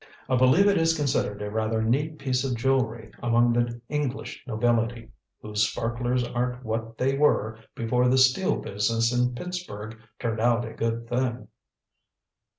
I believe it is considered a rather neat piece of jewelry among the English nobility whose sparklers aren't what they were before the steel business in Pittsburgh turned out a good thing."